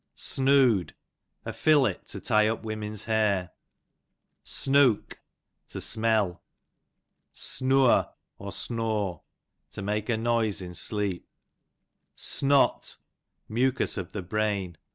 Snoode, a fillet to tie up women's hair. Snook, to smell. Snoor, ),_..,\ to make, a noise m sleep. Snore, J '' Snot, mucus of the brain.